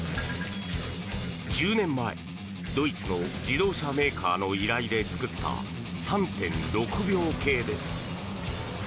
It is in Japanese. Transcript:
１０年前、ドイツの自動車メーカーの依頼で作った３．６秒計です。